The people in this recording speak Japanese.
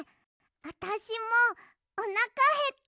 あたしもおなかへった！